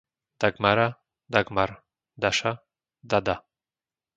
Dagmara, Dagmar, Daša, Dada